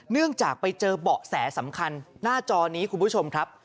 เนื่องจากไปเจอเบาะแสสำคัญหน้าจอนี้คุณผู้ชมครับ